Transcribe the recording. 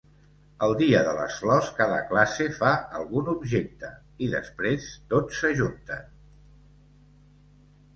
El dia de les flors, cada classe fa algun objecte i després, tots s'ajunten.